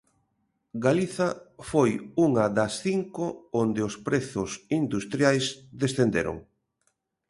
Galiza foi unha das cinco onde os prezos industriais descenderon.